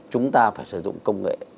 chúng ta phải sử dụng công nghệ